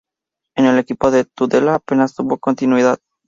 En el equipo de Tudela apenas tuvo continuidad.